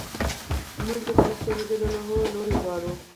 مړه ته د الله ج لور غواړو